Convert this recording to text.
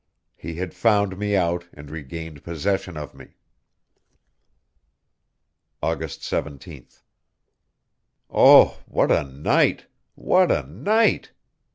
He had found me out and regained possession of me. August 17th. Oh! What a night! what a night!